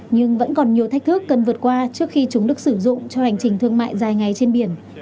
nhưng vẫn còn nhiều thách thức cần vượt qua trước khi chúng được sử dụng cho hành trình thương mại dài ngày trên biển